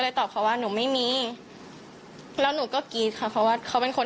ตอบเขาว่าหนูไม่มีแล้วหนูก็กรี๊ดค่ะเพราะว่าเขาเป็นคน